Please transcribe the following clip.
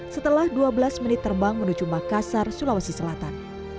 setelah dua belas menit terbang menuju makassar sulawesi selatan